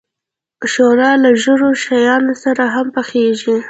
ښوروا له لږو شیانو سره هم پخیږي.